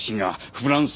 フランス。